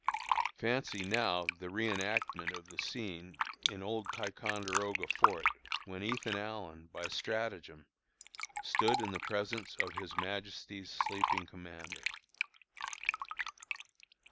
Fancy now the reënactment of the scene in old Ticonderoga fort, when Ethan Allen, by stratagem, stood in the presence of His Majesty's sleeping commander.